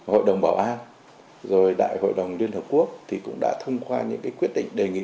hội đồng bảo an rồi đại hội đồng liên hợp quốc thì cũng đã thông qua những quyết định đề nghị